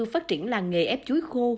phát triển làng nghề ép chuối khô